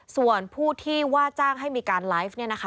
ส่วนผู้ที่ว่าจ้างให้มีการไลฟ์